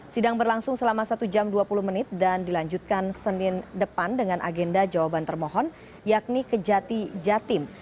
sidang berlangsung selama satu jam dua puluh menit dan dilanjutkan senin depan dengan agenda jawaban termohon yakni kejati jatim